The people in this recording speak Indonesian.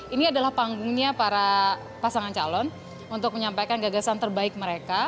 ini adalah panggungnya para pasangan calon untuk menyampaikan gagasan terbaik mereka